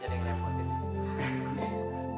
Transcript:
jadi yang repot ini